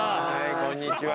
こんにちは。